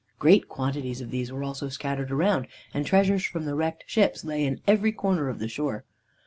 Great quantities of these were also scattered around, and treasures from the wrecked ships lay in every corner of the shore.